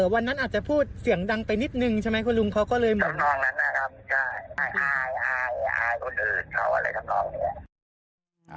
วันนั้นอาจจะพูดเสียงดังไปนิดนึงใช่ไหมครับลุง